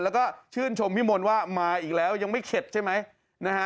แล้วก็ชื่นชมพี่มนต์ว่ามาอีกแล้วยังไม่เข็ดใช่ไหมนะฮะ